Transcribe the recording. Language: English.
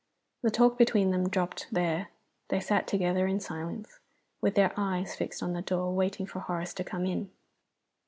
The talk between them dropped there. They sat together in silence, with their eyes fixed on the door, waiting for Horace to come in.